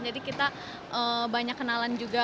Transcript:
jadi kita banyak kenalan juga